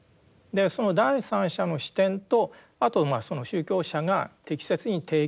その第三者の視点とあと宗教者が適切に提供するですね